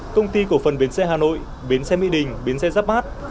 công ty cổ phần bến xe hà nội bến xe mỹ đình bến xe giáp bát